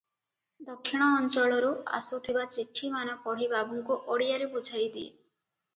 ଦକ୍ଷିଣ ଅଞ୍ଚଳରୁ ଆସୁଥିବା ଚିଠିମାନ ପଢି ବାବୁଙ୍କୁ ଓଡିଆରେ ବୁଝାଇ ଦିଏ ।